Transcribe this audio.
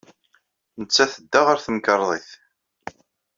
Nettat tedda ɣer temkarḍit.